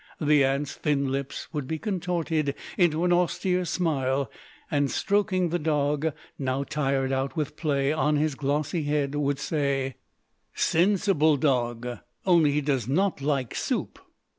The Aunt's thin lips would be contorted into an austere smile, and stroking the dog, now tired out with play, on his glossy head, would say: "Sensible dog!—only he does not like soup."